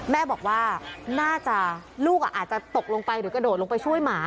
แม่บอกว่าน่าจะลูกอาจจะตกลงไปหรือกระโดดลงไปช่วยหมา